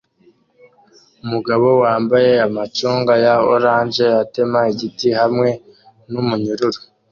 Umugabo wambaye amacunga ya orange atema igiti hamwe numunyururu